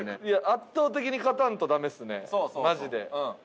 圧倒的に勝たんとダメですねマジで。